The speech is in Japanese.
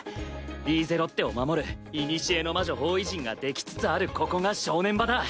リーゼロッテを守る古の魔女包囲陣が出来つつあるここが正念場だ。